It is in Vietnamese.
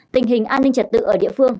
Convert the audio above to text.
tình hình an ninh trật tự ở địa phương